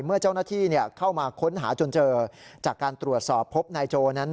เมื่อเจ้าหน้าที่เข้ามาค้นหาจนเจอจากการตรวจสอบพบนายโจนั้น